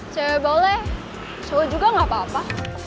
cewek boleh cowok juga gak apa apa